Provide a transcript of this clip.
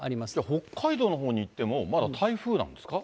北海道のほうに行っても、まだ台風なんですか？